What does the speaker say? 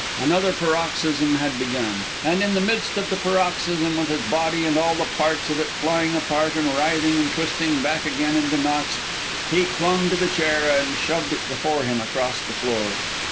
Another paroxysm had begun. And in the midst of the paroxysm, with his body and all the parts of it flying apart and writhing and twisting back again into knots, he clung to the chair and shoved it before him across the floor.